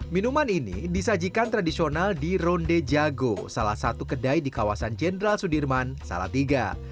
minuman ini disajikan tradisional di ronde jago salah satu kedai di kawasan jenderal sudirman salatiga